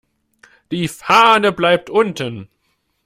Die Fahne bleibt unten.